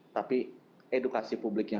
tapi edukasi publiknya